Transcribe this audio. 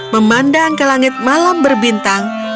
memandang ke langit malam berbintang